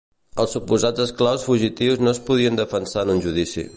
Els suposats esclaus fugitius no es podien defensar en un judici.